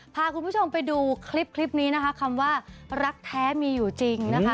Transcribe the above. พาคุณผู้ชมไปดูคลิปคลิปนี้นะคะคำว่ารักแท้มีอยู่จริงนะคะ